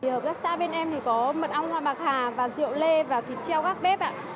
hợp tác xã bên em có mực ong hoa bạc hà rượu lê và thịt treo gác bếp